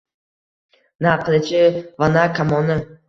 na qilichi va na kamoni